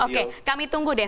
oke kami tunggu deh